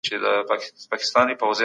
خلګ د دي جرګي څخه ډېري هيلې لري.